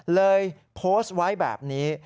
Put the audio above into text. เลยโพสต์ไว้แบบนี้